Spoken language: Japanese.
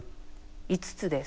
５つです。